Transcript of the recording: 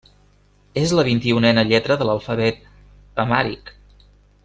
És la vint-i-unena lletra de l'alfabet amhàric.